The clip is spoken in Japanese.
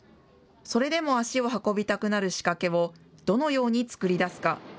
それでも足を運びたくなる仕掛けをどのように作り出すか。